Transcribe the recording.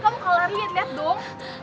kamu kalau larian lihat dong